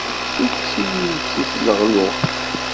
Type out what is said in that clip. Ssukkes-iyi-d si tleɣluɣt.